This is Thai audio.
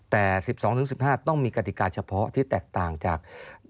แต่๑๒๑๕ต้องมีกติกาเฉพาะที่แตกต่างจาก